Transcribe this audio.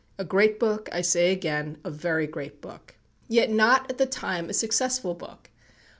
A great book, I say again, a very great book. Yet not at the time a successful book.